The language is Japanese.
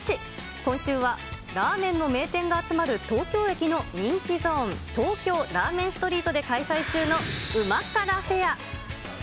今週はラーメンの名店が集まる東京駅の人気ゾーン、東京ラーメンストリートで開催中の旨辛フェア。